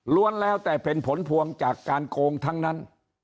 แล้วแต่เป็นผลพวงจากการโกงทั้งนั้น